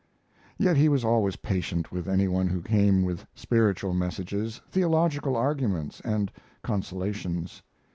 Yet he was always patient with any one who came with spiritual messages, theological arguments, and consolations.